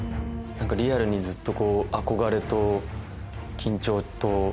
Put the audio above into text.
リアルにずっと。